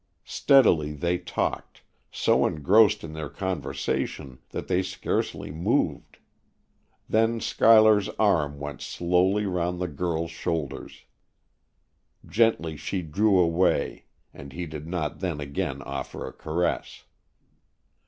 Steadily they talked,—so engrossed in their conversation that they scarcely moved; then Schuyler's arm went slowly round the girl's shoulders. Gently she drew away, and he did not then again offer a caress.